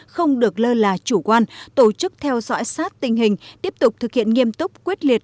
không được lơ là chủ quan tổ chức theo dõi sát tình hình tiếp tục thực hiện nghiêm túc quyết liệt